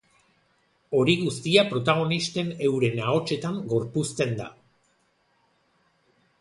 Hori guztia protagonisten euren ahotsetan gorpuzten da.